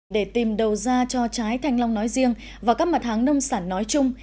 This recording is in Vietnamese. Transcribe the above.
để tìm đầu ra cho trái thanh long nói riêng và các mặt hàng nông sản nói chung